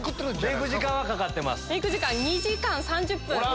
メイク時間２時間３０分。